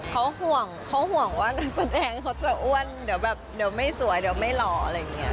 เขาห่วงเขาห่วงว่านักแสดงเขาจะอ้วนเดี๋ยวแบบเดี๋ยวไม่สวยเดี๋ยวไม่หล่ออะไรอย่างนี้